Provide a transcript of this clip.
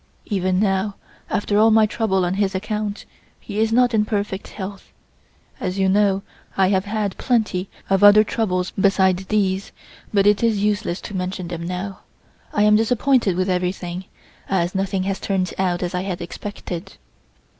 Even now, after all my trouble on his account, he is not in perfect health. As you know, I have had plenty of other troubles beside these, but it is useless to mention them now. I am disappointed with everything, as nothing has turned out as I had expected."